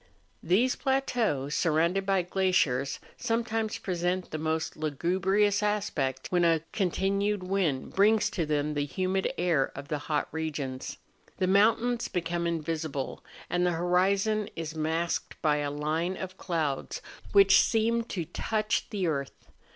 These plateaux, surrounded by glaciers, some¬ times present the most lugubrious aspect, when a continued wind brings to them the humid air of the hot regions. The mountains become invisible, and the horizon is masked by a line of clouds which seem to touch the earth.